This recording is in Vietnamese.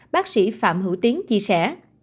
bác sĩ phạm hữu tiến chia sẻ